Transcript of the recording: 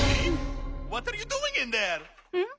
ん？